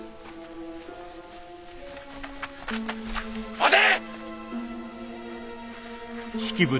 待て！